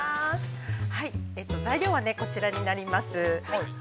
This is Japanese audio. ◆材料はこちらになります。